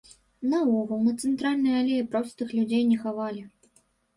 Наогул, на цэнтральнай алеі простых людзей не хавалі.